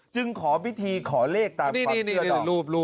จึงขอวิธีเขาเลขตามความเชื่อดอก